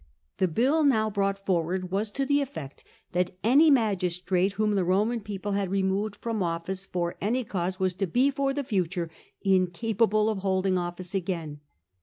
The hill now brought forward was to the effect that any magistrate whom the Eoman people had removed from office, for any cause, was to be for the future incapable of holding office again.